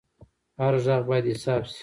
هر غږ باید حساب شي